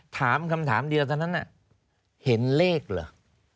ถามคำถามเดียวทั้งนั้นเห็นเลขหรือ